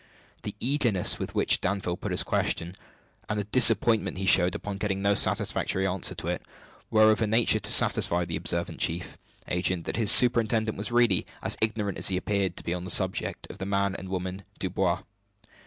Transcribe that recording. The eagerness with which Danville put his question, and the disappointment he showed on getting no satisfactory answer to it, were of a nature to satisfy the observant chief agent that his superintendent was really as ignorant as he appeared to be on the subject of the man and woman Dubois.